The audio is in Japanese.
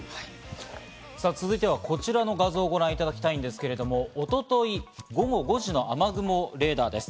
さあ、続いてはこちらの画像をご覧いただきたいんですけれども、一昨日、午後５時の雨雲レーダーです。